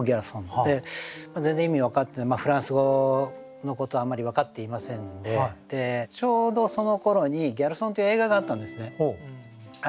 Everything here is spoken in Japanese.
全然意味分かってないフランス語のことはあんまり分かっていませんでちょうどそのころに「ギャルソン！」っていう映画があったんですね。